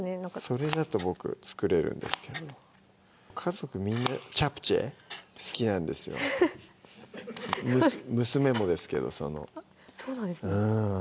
それだとボク作れるんですけど家族みんなチャプチェ好きなんですよ娘もですけどそうなんですね